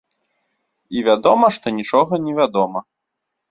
І вядома, што нічога невядома.